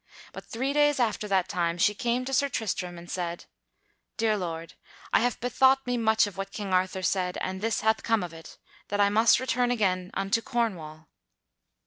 But three days after that time she came to Sir Tristram and said: "Dear lord, I have bethought me much of what King Arthur said, and this hath come of it, that I must return again unto Cornwall."